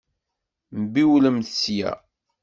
Mbiwlemt sya!